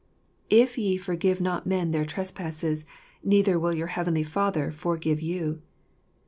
" If ye forgive not men their trespasses, neither will your Heavenly Father forgive you."